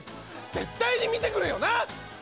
絶対に見てくれよな。